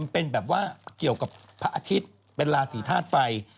เป็นแบบว่าเกี่ยวกับพระอาทิตย์เป็นราศีธาตุไฟ